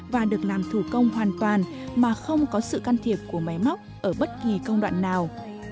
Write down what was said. và được làm thủ công hoàn toàn mà không có sự can thiệp của máy móc ở bất kỳ công đoạn nào